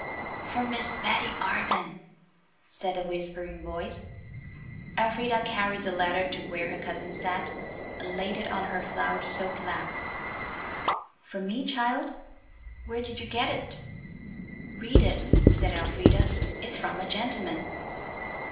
"For Miss Betty Arden," said a whispering voice. Elfrida carried the letter to where her cousin sat, and laid it on her flowered silk lap. "For me, child? Where did you get it?" "Read it," said Elfrida, "it's from a gentleman."